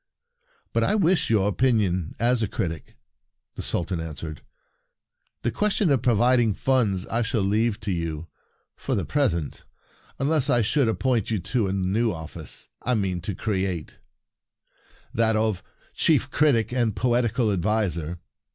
" But I wish your opinion as a critic," the Sultan answered. "The question of providing funds I shall leave to you, for the present, unless I should ap point you to the new office I mean to create— that of Chief Critic and Poetical Adviser."